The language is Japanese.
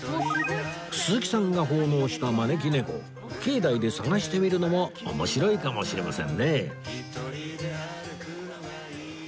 鈴木さんが奉納した招き猫境内で探してみるのも面白いかもしれませんね